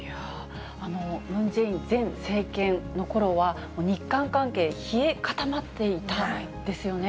ムン・ジェイン前政権のころは、日韓関係、冷え固まっていたですよね。